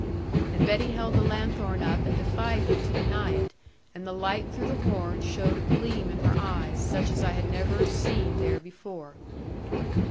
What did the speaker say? And Betty held the lanthorn up, and defied me to deny it; and the light through the horn showed a gleam in her eyes, such as I had never seer there before.